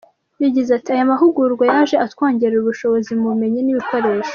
Yagize ati “Aya mahugurwa yaje atwongerera ubushobozi mu bumenyi n’ibikoresho.